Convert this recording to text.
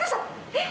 えっ？